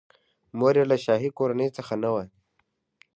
مور یې له شاهي کورنۍ څخه نه وه.